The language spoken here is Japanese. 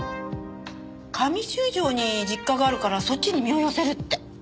上十条に実家があるからそっちに身を寄せるって。